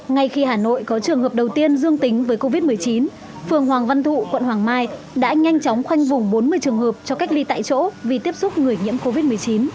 ngay khi hà nội có trường hợp đầu tiên dương tính với covid một mươi chín phường hoàng văn thụ quận hoàng mai đã nhanh chóng khoanh vùng bốn mươi trường hợp cho cách ly tại chỗ vì tiếp xúc người nhiễm covid một mươi chín